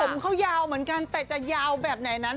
ผมเขายาวเหมือนกันแต่จะยาวแบบไหนนั้น